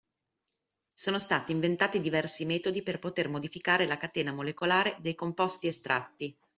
Sono stati inventati diversi metodi per poter modificare la catena molecolare dei composti estratti